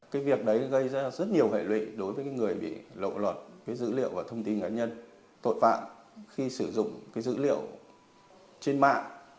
cái việc đấy gây ra rất nhiều hệ lụy đối với người bị lộ luật cái dữ liệu và thông tin cá nhân tội phạm khi sử dụng cái dữ liệu trên mạng